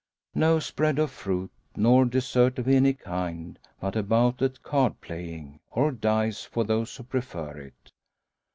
No spread of fruit, nor dessert of any kind, but a bout at card playing, or dice for those who prefer it.